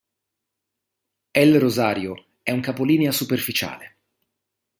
El Rosario è un capolinea superficiale.